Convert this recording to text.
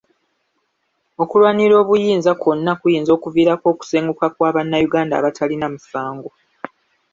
Okulwanira obuyinza kwonna kuyinza okuviirako okusenguka kwa bannayuganda abatalina musango.